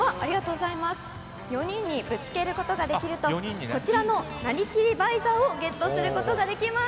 ４人にぶつけることができるとこちらのなりきりバイザーをゲットすることができます。